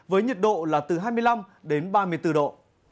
với nhiệt độ là từ hai mươi năm đến ba mươi bốn độ